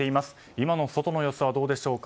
今の外の様子はどうでしょうか。